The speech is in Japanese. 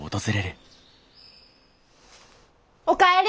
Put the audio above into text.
お帰り。